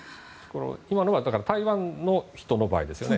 今のは台湾の人の場合ですよね。